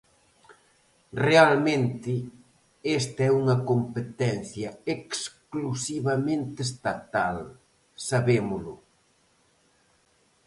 Realmente, esta é unha competencia exclusivamente estatal, sabémolo.